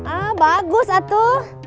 ah bagus atuh